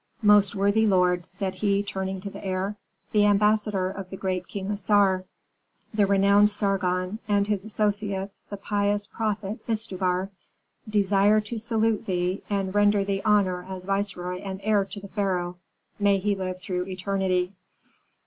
"Most worthy lord," said he, turning to the heir, "the ambassador of the great King Assar, the renowned Sargon, and his associate, the pious prophet Istubar, desire to salute thee and render thee honor as viceroy and heir to the pharaoh, may he live through eternity!"